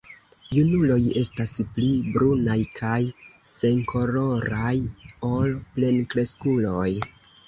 Junuloj estas pli brunaj kaj senkoloraj ol plenkreskuloj.